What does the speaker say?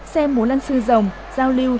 xem múa lăn xương rồng